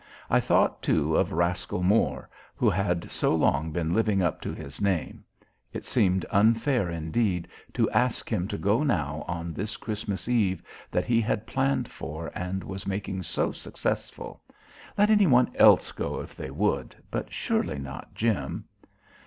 I thought, too, of Rascal Moore, who had so long been living up to his name. It seemed unfair indeed to ask him to go now on this Christmas Eve that he had planned for and was making so successful. Let any one else go if they would, but surely not Jim.